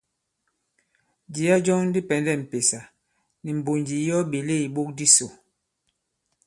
Jìya jɔŋ di pɛ̀ndɛ m̀pèsà nì mbònjì yi ɔ ɓèle ìbok disò.